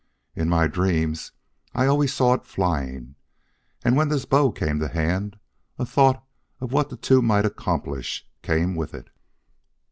In my dreams I always saw it flying, and when this bow came to hand a thought of what the two might accomplish came with it.